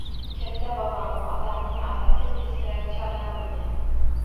Katta bobom – otamning otasi teskarichi odam bo’lgan.